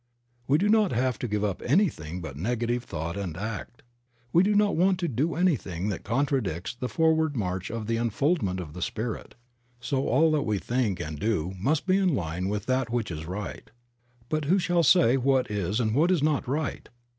We do not have to give up anything but negative thought and act. We do not want to do anything that contradicts the forward march of the unfoldment of the Spirit, so all that we think and do must be in line with that which is right. But who shall say what is and what is not right?